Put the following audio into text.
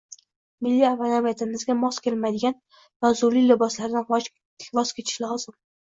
Milliy maʼnaviyatimizga mos kelmaydigan yozuvli liboslardan voz kechish lozim.